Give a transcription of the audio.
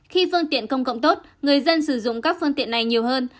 khi phương tiện công cộng tốt người dân sử dụng các phương tiện này nhiều hơn